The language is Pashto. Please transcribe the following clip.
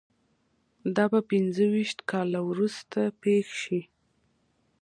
دا به پنځه ویشت کاله وروسته پېښ شي